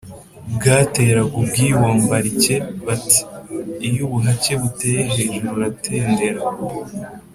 bwateraga ubwibombarike. bati: iyo ubuhake buteye hejuru uratendera .